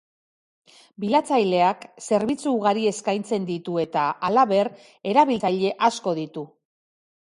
Bilatzaileak zerbitzu ugari eskaintzen ditu eta, halaber, erabiltzaile asko ditu.